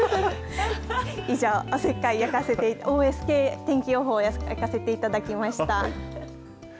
以上、おせっかい焼かせてＯＳＫ天気予報焼かせていただきました。